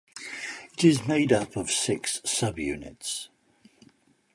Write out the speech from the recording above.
It is made up of six subunits.